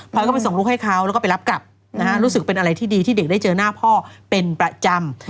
พอยก็ไปส่งลูกให้เขาแล้วก็ไปรับกลับนะฮะรู้สึกเป็นอะไรที่ดีที่เด็กได้เจอหน้าพ่อเป็นประจำ